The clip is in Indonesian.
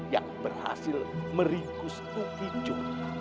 yang berhasil merikus tukijo